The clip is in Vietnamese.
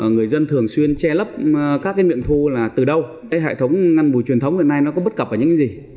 người dân thường xuyên che lấp các miệng thu là từ đâu hệ thống ngăn bùi truyền thống hồi nay có bất cập vào những gì